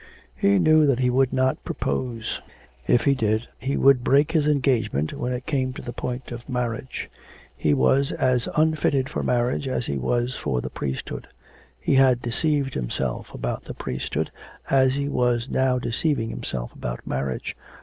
He knew that he would not propose. If he did he would break his engagement when it came to the point of marriage. He was as unfitted for marriage as he was for the priesthood. He had deceived himself about the priesthood, as he was now deceiving himself about marriage.